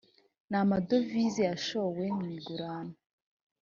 n amadovize yashowe mu igurana